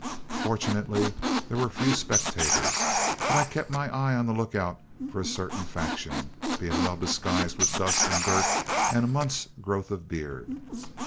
Fortunately there were few spectators, but I kept my eye on the lookout for a certain faction, being well disguised with dust and dirt and a month's growth of beard.